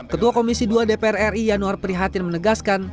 ketua komisi dua dpr ri yanuar prihatin menegaskan